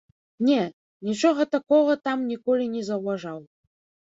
Не, нічога такога там ніколі не заўважаў.